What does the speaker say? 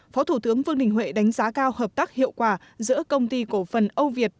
phó thủ tướng vương đình huệ đánh giá cao hợp tác hiệu quả giữa công ty cổ phần âu việt